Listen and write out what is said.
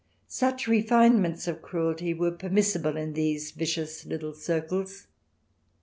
Such re finements of cruelty were permissible in these vicious little circles.